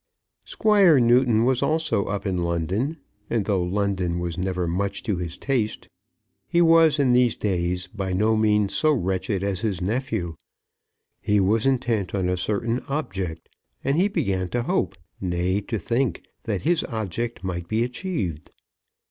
Squire Newton was also up in London; and though London was never much to his taste, he was in these days by no means so wretched as his nephew. He was intent on a certain object, and he began to hope, nay to think, that his object might be achieved.